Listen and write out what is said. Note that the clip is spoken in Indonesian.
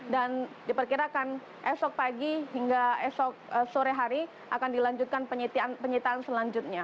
dan diperkirakan esok pagi hingga esok sore hari akan dilanjutkan penyitaan selanjutnya